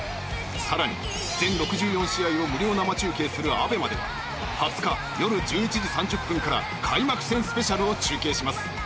さらに全６４試合を無料生中継するＡＢＥＭＡでは２０日よる１１時３０分から開幕戦スペシャルを中継します！